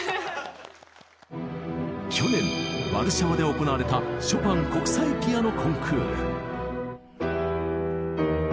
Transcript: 去年ワルシャワで行われたショパン国際ピアノ・コンクール。